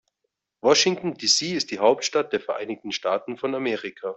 Washington, D.C. ist die Hauptstadt der Vereinigten Staaten von Amerika.